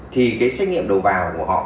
thì cái xét nghiệm đầu vào của họ